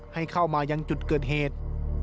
ให้เข้ามายังจุดเกิดเหตุ